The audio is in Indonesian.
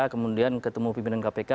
kemudian ketemu pimpinan kpk